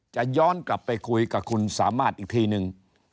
ย้อนกลับไปคุยกับคุณสามารถอีกทีนึง